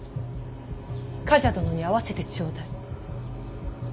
冠者殿に会わせてちょうだい。